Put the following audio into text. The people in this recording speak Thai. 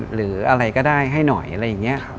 หรืออะไรก็ได้ให้หน่อย